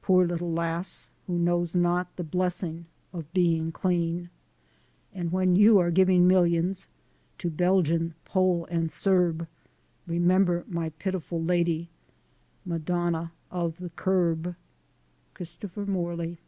Poor little lass, who knows not The blessing of being clean. And when you are giving millions To Belgian, Pole and Serb, Remember my pitiful lady Madonna of the Curb! Christopher Morky.